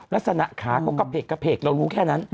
ลักษณะขาเขากระเพกเรารู้แค่นั้น